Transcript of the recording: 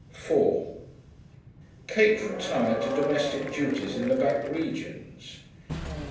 4 Kate retired to domestic duties in the back regions.